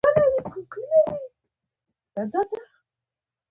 خپله بد کار نه کوي.